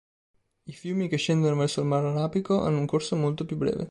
I fiumi che scendono verso il mar Arabico hanno un corso molto più breve.